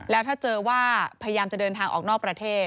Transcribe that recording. แล้วถ้าเจอว่าพยายามจะเดินทางออกนอกประเทศ